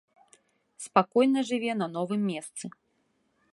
Спакойна жыве на новым месцы.